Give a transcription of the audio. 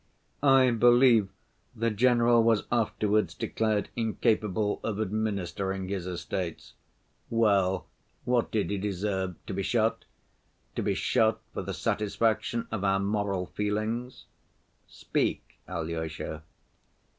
I believe the general was afterwards declared incapable of administering his estates. Well—what did he deserve? To be shot? To be shot for the satisfaction of our moral feelings? Speak, Alyosha!"